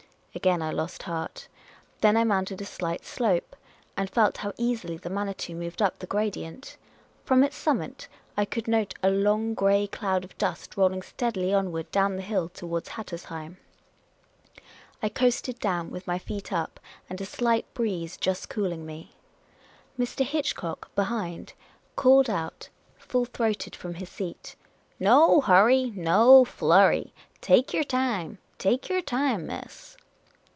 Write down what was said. Again I lost heart. Then I mounted a slight slope, and felt how easily the Manitou moved up the gradient. From its summit I could note a long grey cloud of dust rolling steadily onward down the hill towards Hattersheim. I coasted down, with my feet up, and a slight breeze just cooling me. Mr. Hitchcock, behind, called out, full 84 Miss Cay ley's Adventures throated, from his seat :" No hurry ! No flurry ! Take your time ! Take — your — time, miss